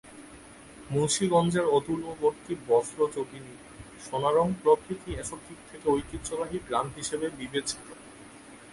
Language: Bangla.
মুন্সিগঞ্জের অদূরবর্তী বজ্রযোগিনী, সোনারং প্রভৃতি এসব দিক থেকে ঐতিহ্যবাহী গ্রাম হিসেবে বিবেচিত।